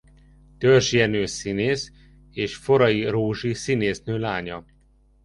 Törzs Jenő színész és Forrai Rózsi színésznő lánya.